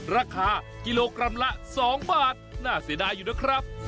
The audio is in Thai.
ราคากิโลกรัมละ๒บาทน่าเสียดายอยู่นะครับ